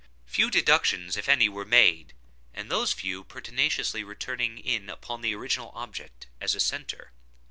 Few deductions, if any, were made; and those few pertinaciously returning in upon the original object as a centre.